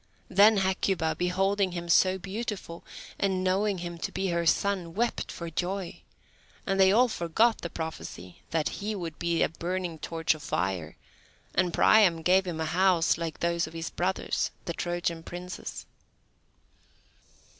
Then Hecuba, beholding him so beautiful, and knowing him to be her son, wept for joy, and they all forgot the prophecy that he would be a burning torch of fire, and Priam gave him a house like those of his brothers, the Trojan princes.